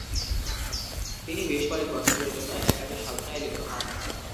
তিনি বেশ কয়েক বছরের জন্য একাকী সাধনায় লিপ্ত হন।